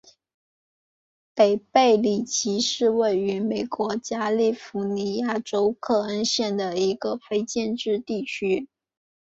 北贝里奇是位于美国加利福尼亚州克恩县的一个非建制地区。